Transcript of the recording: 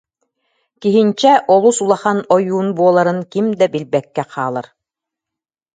Киһинчэ олус улахан ойуун буоларын ким да билбэккэ хаалар